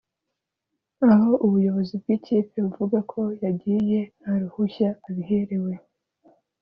aho ubuyobozi bw’ikipe buvuga ko yagiye nta ruhushya abiherewe